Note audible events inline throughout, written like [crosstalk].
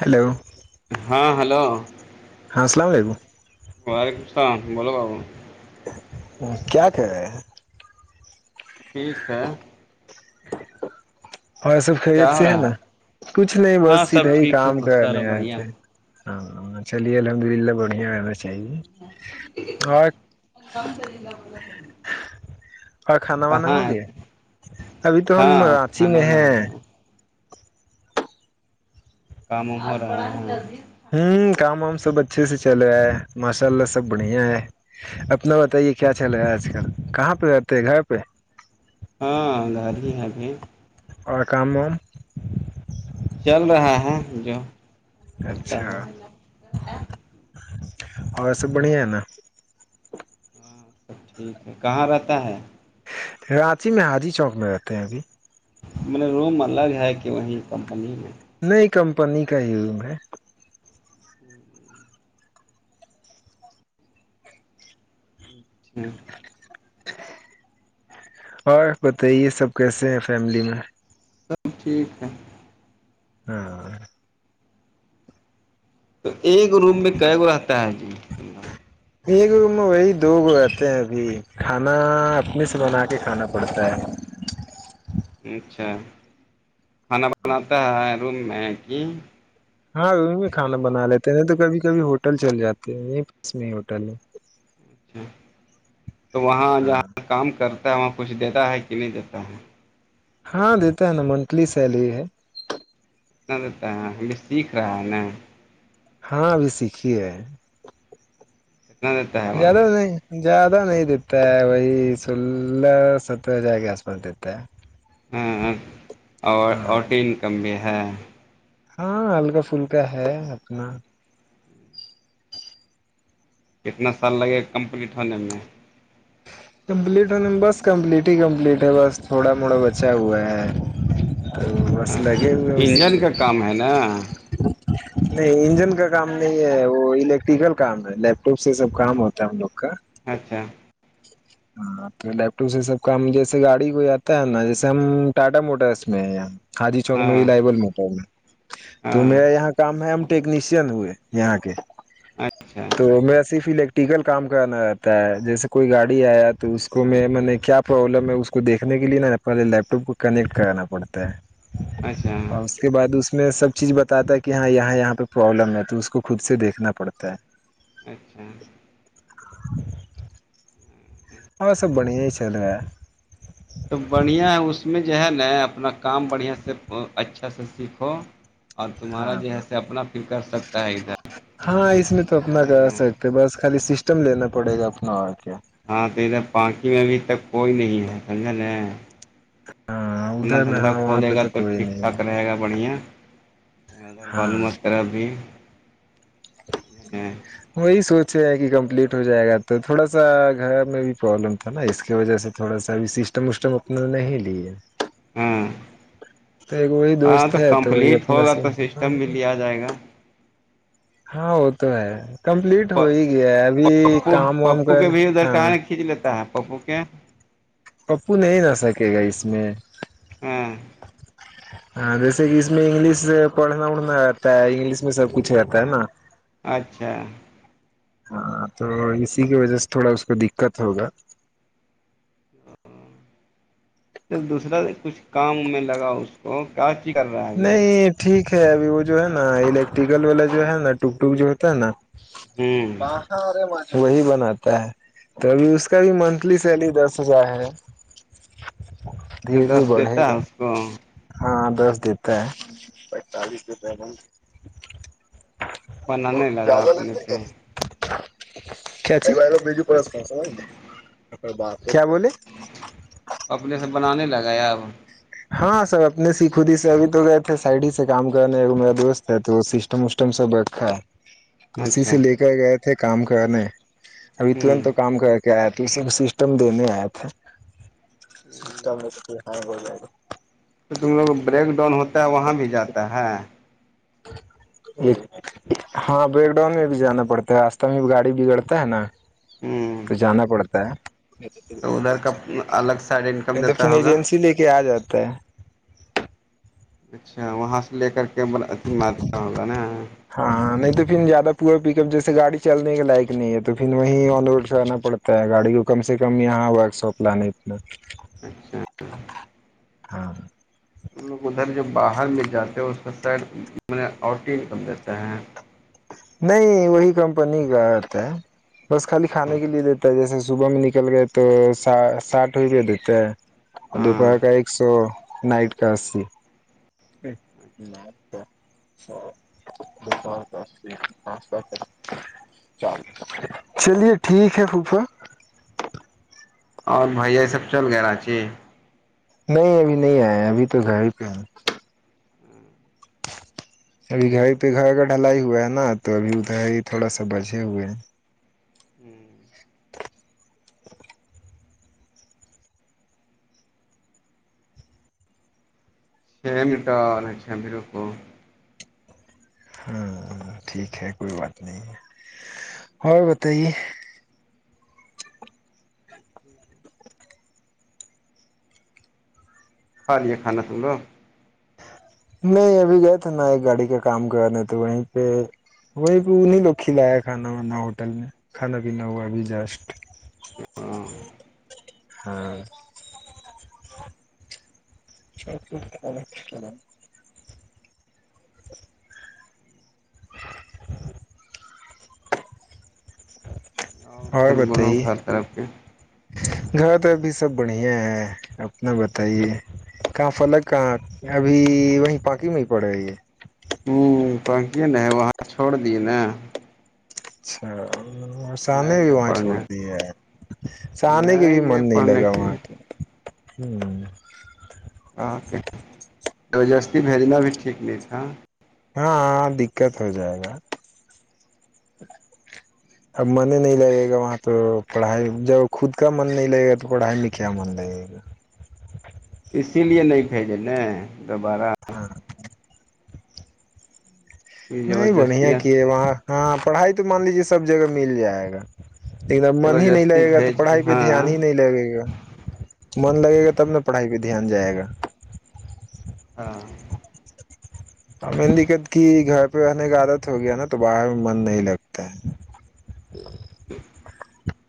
hello ہاں hello ہاں السلام علیکم وعلیکم السلام کیا کہ رہے ہیں ٹھیک ہے اور سب کیا خرید ہو سے ہے رہا نا کچھ نہیں ہاں بس سب ادھر ہی ٹھیک ہے کام ماشاء اللہ کرنے آئے بڑھیا ہے تھے ہاں چلیے الحمد للہ بڑھیا رہنا چاہیے اور بمر ل ب کر اور کھانا وانا ہوگیا ابھی تو ہم رات ہ نا ن ہوا کام ہو رہا ہے ہوں کام وام سب اچھے سے چل رہا ہے ماشاء اللہ سب بڑھیا ہے اپنا بتائیے کیا چل رہا ہے آج کل کہاں پہ رہتے ہیں گھر پہ ہاں گاڑی ہے ابھی اور کامم چل رہا ہے جو چلتا اچھا ہے اور سب بڑھیا ہے نا اب ٹھیک ہے کہاں رہتا ہے رانچی میں حاجی چوک میں رہتے ہیں ابھی مے روم الگ ہے کہ وہیں کمپنی میں نہیں کمپنی کا ہی روم ہے جچھ اور بتائیے سب کیسے ہیں فیملی میں سب ٹھیک ہے ہاں تو ایک روم میں ک گ رہتا ہے جیلہ ایک وہی دو گو رہتے ہیں ابھی کھانا اپنے سے بنا کے کھانا پڑتا ہے اچھا کھانا بناتا ہے روم میں کہ ہاں وہ میں کھانا بنا لیتے ہیں نہیں تو کبھی کبھی ہوٹل چل جاتے ہیں یہ پس میں ہی ہوٹل ہے اچ تو وہاں ہاں جہاں کام کرتا ہے وہاں کچھ دیتا ہے کہ نہیں دیتا ہے ہاں دیتا ہے نا منتھلی سیلری ہے اتنا دیتا ہے ہمھی سیکھ رہا ہے نا ہاں ابھی سیکھیے ہیں نا زیادہ ہو نہیں زیادہ نہیں دیتا ہے وہی سولہ سترہ ہزار کے آس پاس دیتا ہے ہاں اور ہاں اورٹین کم بھی ہے ہاں ہلکا پلکا ہے اپنا کتنا سال لگے گا کمپلیٹ ہونے میں کمپلیٹ ہونے بس کمپلیٹ ہی کمپلیٹ ہے بس تھوڑا موڑا بچا ہوا ہے اور بس لگے ہو ہیں انجن اسی کا کام ہے نا میں نہیں انجن کا کام نہیں ہے وہ الیکٹ اسپیکل کام ہے لیپٹاپ سے سب کام ہوتا ہے ہم لوگ کا اچھا ہاں تو لیپ ٹاپ سے سب کام جیسے گاڑی کوئی آتا ہے نا جیس ہم ٹاٹا موٹرس میں ہے یہ خادی چوک ہاں میں بھی لائبول مٹ نے تو ہاں میرا یہاں کام ہے ہم ٹیکنیشین ہوئے یہاں کے اچھا تو م صرف الیکٹریکل کام کرنا رہتا ہے جیسے کوئی گاڑی آیا تو اس کو میں کیا پرابلم ہے اس کو دیکنے کے لیے ن پہے لیپ ٹاپ کو کنیکٹ کرانا پڑا اچھا اور اس کے بعد اس میں سب چیز بتاتا ہے کہ ہاں یہاں یہاں پہ پرابلم ہے تو اس کو خود سے دیکھنا پڑتا ہے اچھا ہاں سب بڑیا ہی چل رہا تو بڑھیا اس میں جو ہے نا اپنا کام بڑھیا سے اچھا سے سیکھو اور تمہارا ہاں جو ہے اپنا فل کر سکتا ہے ادھر ہاں اس میں تو اپنا کر سکتے ہاں بس خالی سسٹم لینا پڑے گا اپنا اور کے ہاں تو ادھر پاناکی میں ابھی تک کوئی نہیں ہے سمجھلے اگر ہاں اپنا ادھر میں دھندا ہاں وہاں کھولے پہ گا تو کوئی ٹھیک نہیں ٹھاک ہے رہے گا بڑھیا ادھر بالو ہاں ماترا بھی [unintelligible] وہی سوچے ہیں کہ کمپلیٹ ہو جائے گا تو تھوڑا سا گھر میں بھی پرابلم تھا نا اس کی وجہ سے تھوڑا سا بھی سسٹم وسٹم اپنا نہیں لیے ہاں تو ایک وہی ہاں دوست ہے تو وہی کمپلیٹ اپنا ہوگا سے تو سسٹم بھی لیا جائے گا ہاں وہ تو ہے کمپلیٹ ہو ہی گیا ہے ابھی کام وام کر ہاں کھیچ لیتا ہے پپو کے پپو نہیں نہ سکے گا اس میں ہاں ہاں جیسے کہ اس میں انگلش پڑھنا اڑھنا رہتا ہے انگلش میں سب کچھ رہتا ہے نا اچھا ہاں تو اسی کی وجہ سے تھوڑا اس کو دقت ہوگا پھر دوسرا کچھ کام میں لگا اس وہ کیاچی کر رہا ہے ابھی وہ نہیں ٹھیک ہے ابھی وہ جو ہے نا الیکٹریکل والا جو ہے نا ٹک ٹک جو ہوتا ہے نا ہوں وہی بناتا ہے تو ابھی اس کا بھی منتھلی سیلری دس ہزار ہے اچ دھیرے دس دھیرے دیتا بڑھے ہے گا اس کو ہاں دس دیتا ہے پینتالیس دیتا ہے بنانے لگا اپنے سے کچ ب بج پرس ک س ب کیا بولے اپنے سے بنانے لگایا اب ہاں سر اپنے سے ہی خود ہی سے اب تو گئے تھے سائڈ ہی سے کام کرنے میرا دوست س تو سٹم وٹم سب اھا ہے [unintelligible] اسی سے لے کر گئے تھے کام کرنے ابھی ترنت ہوں تو کام کر کیا سب سسٹم دینے آئے تھے سسٹم جائے گا تو تم لوگ بریک ڈاؤن ہوتا ہے وہاں بھی جاتا ہے [unintelligible] ہاں بیک ڈن میں بھی جانا پڑتا ہے راستہ میں بھی گاڑی بگڑتا ہے نا ہوں تو جانا پڑتا ہے تو ادھر کا الگ سائڈ انکم نہیں تو پھر دیتا ہوگا ایجنسی لے کے آ جاتا ہے اچھا وہاں سے لے کر کے بل اتی ماتہ ہوگا نا ہاںاں نہیں تو پھر زیادہ پورا پک اپ جیسے گاڑی چلنے کے لائق نہیں ہے تو پھر وہیں آن روڈ سے آنا پڑتا ت گاڑی کو کم سے کم یہاں ورک شاپ لان اتنا [unintelligible] [inaudible] اچھا ہاں لوگ ادھر جو باہر میں جاتے ہیں اس کا سائڈ میں آٹین کم دیتے ہیں نہیں وہی کمپنی کاتا ہے بس خالی کھانے کے لیے دیتا ہے جیسے صبح میں نکل گئے تو ساٹھ بھی دے دیتا ہے اور ہاں دوپہر کا ایک سو نائٹ کا اسی چا ب [unintelligible] [inaudible] چلیے ٹھیک ہے خفہ اور بھیا یہ سب چل گیا راچی نہیں ابھی نہیں آئے ابھی تو گھر ہی پہ ہیں [unintelligible] [inaudible] ابھی گھر پہ گھر ا گ ڈھلائی ہوا ہے نا تو ابھی ادھر تھوڑا سا بچے ہوئے ہیں چھ مٹ رہ چب ر کو ہاں ٹھیک ہے کوئی بات نہیں اور بتائیے ہوں ہوں کھا لیییا کانا سن لو نہیں ابھی گئے تھ نا ایک گاڑی کا کام کرنے تو وہیں پہ وہ نہیں رکھی لایا کانا وا ہوٹل میں کھانا پینا ہوا ابھی جسٹ ہاں ہاں س ک ہے [unintelligible] [unintelligible] [inaudible] اور ادھر بولوں ہر طرف کے گھر تو ابھی سب بڑھیا ہے اپنا بتائیے کہاں فلگ کہاں ابھی وہیں پاکی میں ہی پڑ رہی ہے ہوںکی نہ ہے وہاں چھڑ دی نا اچھا اور سہنے نہیں بھی گئے وہاں چھوڑ پڑھنے دی ہے سہنے کے بھی نہیں من گئے نہیں پڑھنے لگا کی وہاں پہ ہوں اک بجستی بھیجنا بھی ٹھیک نہیں تھا ہاںاں دقت ہو جائے گا اب من نہیں لگے گا وہاں تو پڑھائی جب خود کا من نہیں لگے گا تو پڑھائی میں کیا من لگے گا اسی لیے نہیں بھیجے ن دوبارہ ہاں یہ نہیں بڑھیا زبردستیاں کی ہے وہاں ہاں پڑھائی تو مان لیجے سب جگہ مل جائے گا لیکن اب من ہی نہیں زبردستی لگے گا تو بھیج پڑھائی پہ ہاں دھیان ہی نہیں لگے گا من لگے گا تب نہ پڑھائی پہ دھیان جائے گا ہاں ہ دقت کی گھر پہ رہنے کا عادت ہو گیا نا تو باہر میں من نہیں لگتا ہے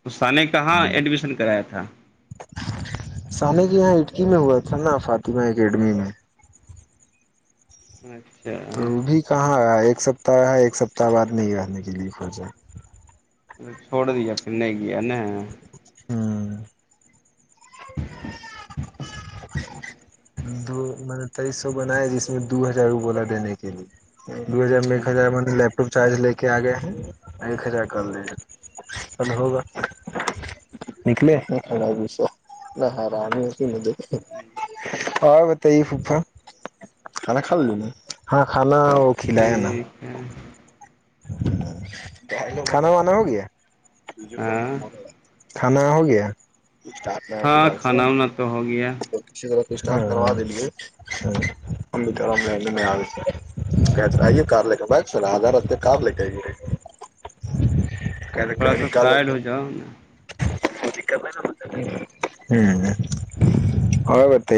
استا نے کہاں ایڈمیشن کرایا تھا سامے کی یہاں اٹکی میں ہوا تھا نا فاطمہ اکیڈمی میں اچھا تو وہ بھی کہاں آ ایک سپتہ رہ ہے ایک سپتتااہ بد نہیں رہنے کے لیے کھ جائے چھوڑ دیا پھر نہیں کیایا نا ہاں دو میں نے تئیس سو بنایا جس میں دو ہزار بولا دینے کے لیے دو ہزار میں اچھا ایک ہزار م ل آٹو چارج لے کے آ گئے ہیں ایک ہزار کر دیجیے کل ہوگا نکلے ھنڈا پس رہ ہ ر ا مدے اور بتائیے پفا کھانا کھا ل سب ٹھیک ہے [unintelligible] کھانا وانا ہو گیا ہاں کھانا ہو گیا ہاں کھانا وانا تو ہو گیا کسی طرح ک کروا دے امی طر میں کہ آئیے کار لے کر ب آدھار آتے کار لے کے آئیے تھوڑا سا سائل ہو جاؤ نا ہوں اور بت [inaudible]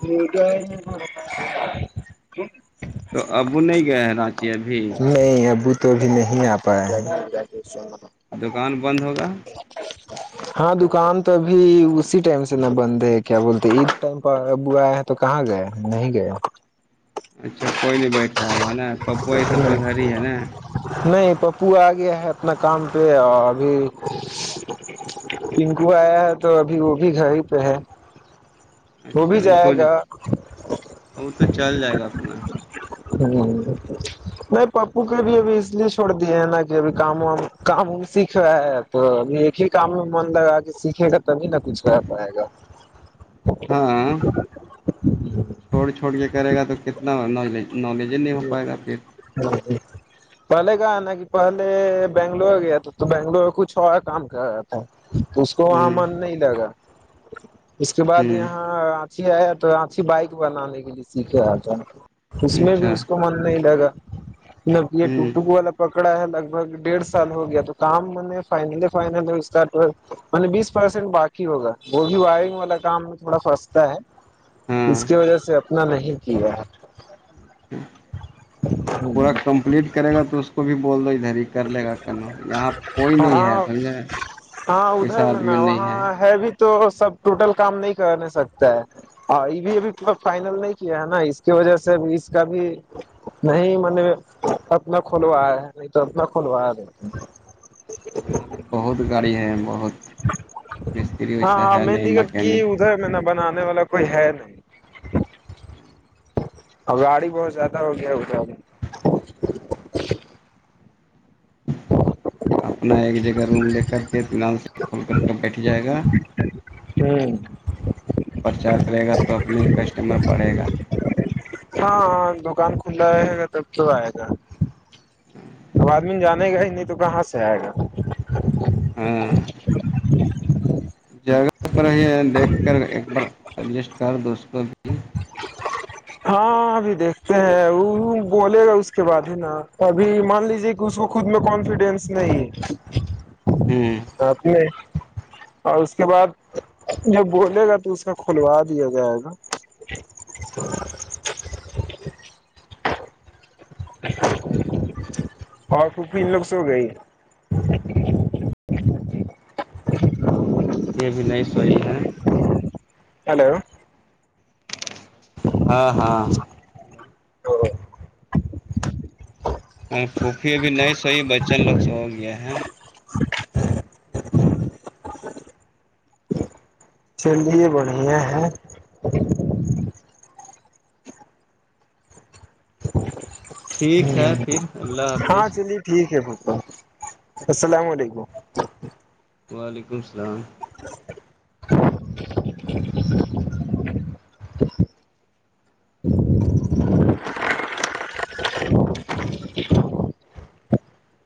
پ نٹ [unintelligible] تو اب وہ نہیں گیا ہے راج نہیں ابو تو اب نہیں آ پایا ہے دکان بند ہوگا [unintelligible] ہاں دکان تو ابھی اسی ٹائم سے نہ بند ہے کیا بولتے عید ٹائم پر ابویا تو کہاں گئے نہیں گئے اچھا کوئی نہیں بیٹھ رہا ہوا نا پپوا یہ سب تو گھر ہی ہے نا نہیں پپو آ گیا ہے اپنا کام پہ اور ابھی نکو آیا ہے تو ابھی وہ بھی گھر ہی پہ ہے اچھا بھی وہ تو جائے گا وہ تو چل جائے گا اپنا نہیں پپو کے بھی ابھی اس لیے چھوڑ دیے ہیں نا کہ ابھی کام وام کام سیکھ رہا ہے تو اب ایک ہی کام میں من لگا کہ سیکھے گا تبھی نہ کچھ کر پائے گا ہاں چھوڑ چھوڑ کے کرے گا تو کتنا ن نالج ہی ج نہیں ہو پائے گا پھر ہاں جی [unintelligible] پہلے کہ ہے نا کہ پہلے بنگلور گیا تھا تو بنگلور کچھ اورا کام کر رہا تھا اس کو وہاں ہوں من نہیں لگا اس کے بعد ہوں یہاں اچھی آیا تو آھی بائک بنانے کے لیے سیکھے آ اس میں بھی اچھا اس کو من نہیں لگا یہ ہوں ٹک ٹکگ [unintelligible] پکڑا ہے لگ بھگ ڈیڑھ سال ہو گیا تو کام میں نے فائنل فائنل اسٹار م بیس پرسینٹ باقی ہوگا وہ بھی وائرنگ والا کام میں تھوڑا پھنستا ہے ہاں جس کی وجہ سے اپنا نہیں کیا ہے پورا کمپلیٹ کرے گا تو اس کو بھی بول دو ادھر ہی کر لے گا کرنا یہاں کوئی نہیں ہے ہاں سمجھا ہاں ادھر ویسا میں نا آدمی نہیں وہاں ہے بھی تو سب ٹوٹل کام نہیں کرنے سکتا ہے ہاں یہ بھی ابھی فائنل نہیں کیا ہے نا اس کی وجہ سے اب اس کا بھی نہیں م نے اپنا کھولوایا ہے نہیں تو اپنا کھولوایا نہیں یہاں بھی بہت گاڑی ہے بہت مستری ویسا ہاں ہے مین نہیں دقت کی مکینک میں نے بنانے والا کوئی ہے نہیں اور گاڑی بہت زیادہ ہوگیا اےب اپنا ایک جگہ روم لے کر کےطینان سے کھول کر کے بیٹھ جائے گا ہوں [inaudible] پرچار کرے گا تو اپنے کسٹمر بڑھے گا ہاںاں دکان کھلا رہ گا تب تو آئے گا توب آدمی جانے گا ہی نہیں تو کہاں سے آئے گا ہاں جگہ پر ہی دیکھ کر ایک بار ایڈجسٹ کر دوست کو بھی ہاں ابھی دیکھتے ہیں وہ بولے گا اس کے بعد ہی نا ابھی مان لیجے کہ اس کو خود میں کانفیڈینس نہیں ہوں ہے آنے اور اس کے بعد جو بولے گا تو اس کا کھلوا دیا جائے گا [inaudible] اور خوبی لوگ سو گئے یہ بھی نہیں صحیح ہے ہیلو ہاں ہاں پھوپھی ا بھی نہیں سوی بچن لوگ سے ہو گیا ہے چلیے بڑھیا ہیں ہ ٹھیک ہے پھر اللہ ہاں حافظ چلیے ٹھیک ہے پ السلام علیکم [inaudible] ہ [unintelligible] [inaudible]